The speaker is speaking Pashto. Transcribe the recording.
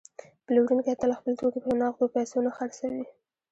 پلورونکی تل خپل توکي په نغدو پیسو نه خرڅوي